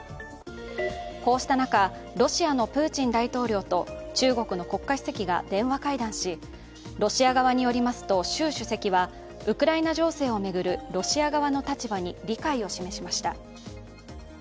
こうした中、ロシアのプーチン大統領と中国の国家主席が電話会談し、ロシア側によりますと、習主席はウクライナ情勢を巡るロシア側の立場に理解を示しました。